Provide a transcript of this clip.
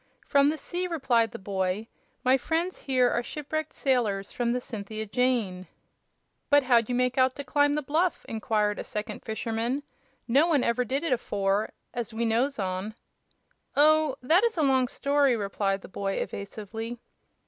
"From the sea," replied the boy. "My friends here are shipwrecked sailors from the 'Cynthia Jane.'" "But how'd ye make out to climb the bluff?" inquired a second fisherman; "no one ever did it afore, as we knows on." "Oh, that is a long story," replied the boy, evasively.